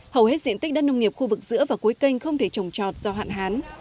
hầu hết diện tích đất nông nghiệp khu vực giữa và cuối kênh không thể trồng trọt do hạn hán